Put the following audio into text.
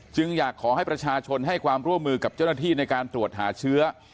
อยากขอให้ประชาชนให้ความร่วมมือกับเจ้าหน้าที่ในการตรวจหาเชื้อ